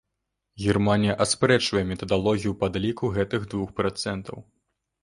Германія аспрэчвае метадалогію падліку гэтых двух працэнтаў.